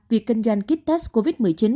việc kinh doanh kích test covid một mươi chín